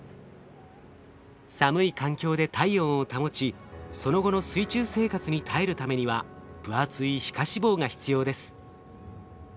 寒い環境で体温を保ちその後の水中生活に耐えるためには分厚い皮下脂肪が必要です。